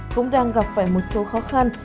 cũng đang gặp phải một số khó khăn